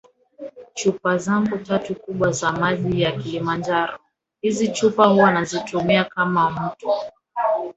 chupa zangu tatu kubwa za maji ya Kilimanjaro Hizi chupa huwa nazitumia kama mto